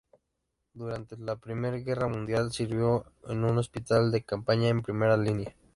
Durante la I Guerra Mundial sirvió en un hospital de campaña en primera línea.